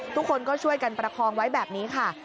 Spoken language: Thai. ทุกคนก็ช่วยกันประคองไว้แบบนี้ค่ะ